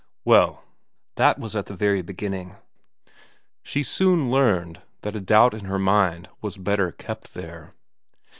Well, that was at the very beginning. She soon learned that a doubt in her mind was better kept there.